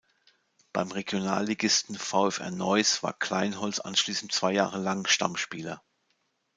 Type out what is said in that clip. Beim Regionalligisten VfR Neuss war Kleinholz anschließend zwei Jahre lang Stammspieler.